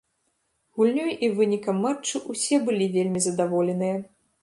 Гульнёй і вынікам матчу ўсе былі вельмі задаволеныя.